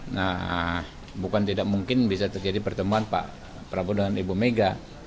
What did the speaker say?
nah bukan tidak mungkin bisa terjadi pertemuan pak prabowo dengan ibu mega